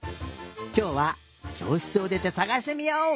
きょうはきょうしつをでてさがしてみよう！